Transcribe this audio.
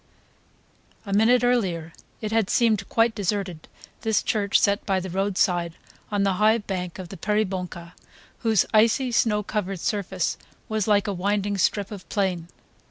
A moment earlier it had seemed quite deserted, this church set by the roadside on the high bank of the Peribonka, whose icy snow covered surface was like a winding strip of plain.